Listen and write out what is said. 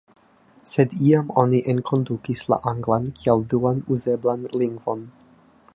Sed iam oni enkondukis la anglan kiel duan uzeblan lingvon.